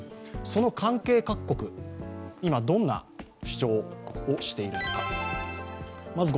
その関係各国、今どんな主張をしているのか。